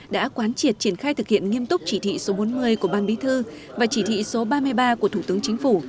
đã quán triệt triển khai thực hiện nghiêm túc chỉ thị số bốn mươi của ban bí thư và chỉ thị số ba mươi ba của thủ tướng chính phủ